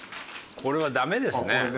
これはダメですね。